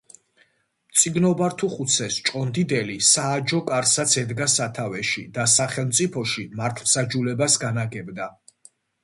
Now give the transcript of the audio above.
მწიგნობართუხუცეს-ჭყონდიდელი „სააჯო კარსაც“ ედგა სათავეში და სახელმწიფოში მართლმსაჯულებას განაგებდა.